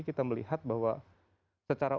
kita melihat bahwa secara